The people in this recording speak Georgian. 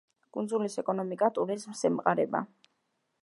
კუნძულის ეკონომიკა ტურიზმს ემყარება.